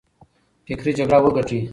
فکري جګړه وګټئ.